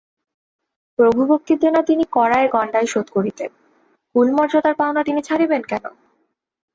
প্রভুভক্তির দেনা তিনি কড়ায় গণ্ডায় শোধ করিতেন, কুলমর্যাদার পাওনা তিনি ছাড়িবেন কেন।